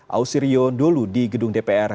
ausi rio ndolu di gedung dpr